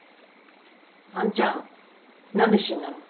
兄ちゃん何で死んだの？